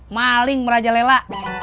maling meraja lela